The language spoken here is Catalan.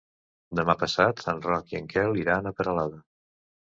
Demà passat en Roc i en Quel iran a Peralada.